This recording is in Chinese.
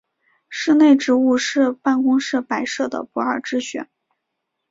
室内植物是办公室摆设的不二之选。